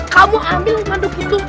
kamu ambil pandu putus